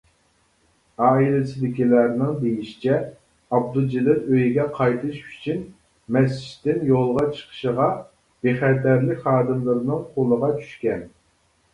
ئائىلىسىدىكىلەرنىڭ دېيىشىچە، ئابدۇجېلىل ئۆيىگە قايتىش ئۈچۈن مەسچىتتىن يولغا چىقىشىغا بىخەتەرلىك خادىملىرىنىڭ قۇلىغا چۈشكەن.